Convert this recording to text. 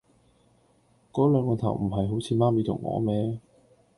嗰兩個頭唔係好似媽咪同我咩